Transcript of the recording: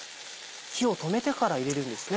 火を止めてから入れるんですね。